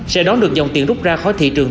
sẽ đón được dòng tiền rút ra khỏi thị trường